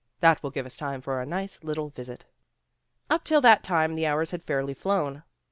That will give us time for a nice little visit." Up till that time the hours had fairly flown.